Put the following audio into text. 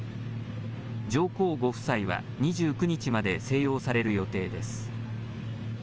上皇ご夫妻は２９日まで静養される予定です。